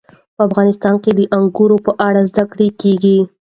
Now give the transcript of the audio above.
په افغانستان کې د انګورو په اړه زده کړه کېږي.